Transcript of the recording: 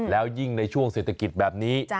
แล้วยิ่งในช่วงเศรษฐกิจแบบนี้